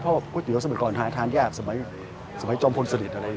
เพราะก๋วยเตี๋ยวสมัยก่อนหาทานยากสมัยจอมพลสนิทอะไร